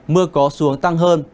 mưa có xu hướng tăng hơn